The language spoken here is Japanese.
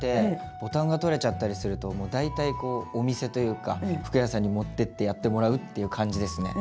ボタンが取れちゃったりするともう大体こうお店というか服屋さんに持ってってやってもらうっていう感じですね。